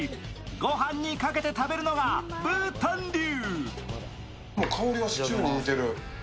ご飯にかけて食べるのがブータン流。